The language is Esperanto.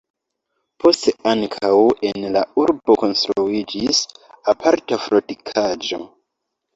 Poste ankaŭ en la urbo konstruiĝis aparta fortikaĵo.